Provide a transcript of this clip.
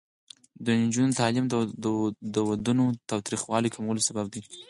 د نجونو تعلیم د ودونو تاوتریخوالي کمولو سبب دی.